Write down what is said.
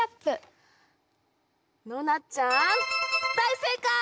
ノナちゃんだいせいかい！